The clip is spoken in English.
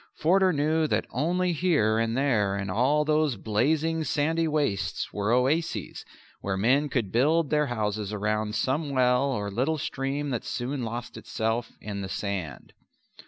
Forder knew that only here and there in all those blazing, sandy wastes were oases where men could build their houses round some well or little stream that soon lost itself in the sand.